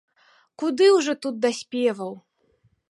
Куды ўжо тут да спеваў!